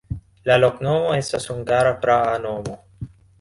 La loknomo estas hungara praa nomo.